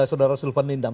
saudara syulfan nindam